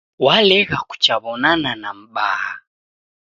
Walegha kuchaw'onana na mbaha.